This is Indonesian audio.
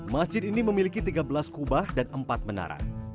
masjid ini memiliki tiga belas kubah dan empat menara